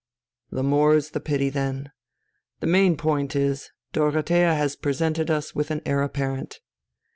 "The more's the pity, then. The main point is, Dorothea has presented us with an Heir Apparent."